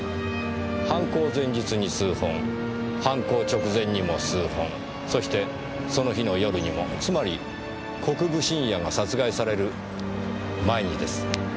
犯行前日に数本犯行直前にも数本そしてその日の夜にもつまり国分信也が殺害される前にです。